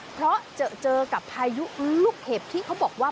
ไปแล้ว